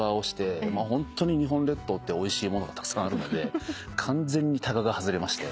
ホントに日本列島っておいしいものがたくさんあるので完全にたがが外れまして。